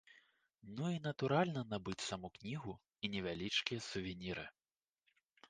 Ну і, натуральна, набыць саму кнігу і невялічкія сувеніры.